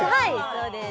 そうです